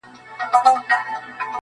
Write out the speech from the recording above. ستا د میني زولنو کي زولانه سوم-